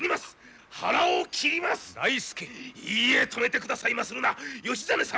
いいえ止めて下さいまするな義実様！